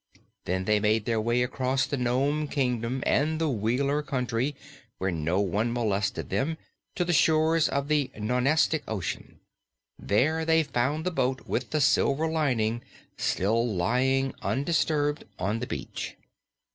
They then made their way across the Nome Kingdom and the Wheeler Country, where no one molested them, to the shores of the Nonestic Ocean. There they found the boat with the silver lining still lying undisturbed on the beach.